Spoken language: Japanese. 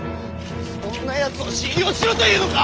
そんなやつを信用しろというのか！？